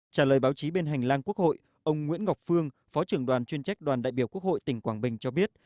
trả lời báo chí bên hành lang quốc hội ông nguyễn ngọc phương phó trưởng đoàn chuyên trách đoàn đại biểu quốc hội tỉnh quảng bình cho biết